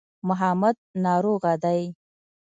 محمد ناروغه دی.